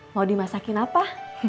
mau dimasakin apa